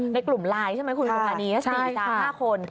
ในกลุ่มไลน์ใช่ไหมคุณสุภานี๔๕คน